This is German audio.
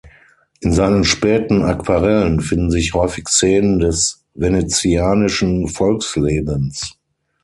In seinen späten Aquarellen finden sich häufig Szenen des venezianischen Volkslebens.